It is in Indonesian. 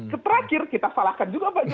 keteraksir kita salahkan juga pak jokowi